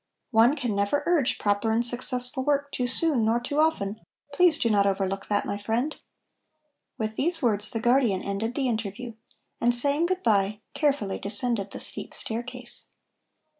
"One can never urge proper and successful work too soon nor too often; please do not overlook that, my friend!" With these words the guardian ended the interview and, saying good bye, carefully descended the steep staircase.